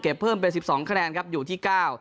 เพิ่มเป็นสิบสองคะแนนครับอยู่ที่เก้า